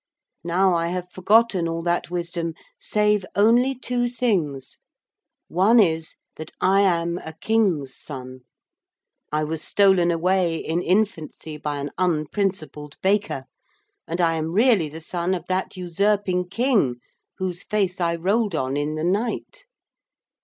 Now I have forgotten all that wisdom save only two things. One is that I am a king's son. I was stolen away in infancy by an unprincipled baker, and I am really the son of that usurping King whose face I rolled on in the night.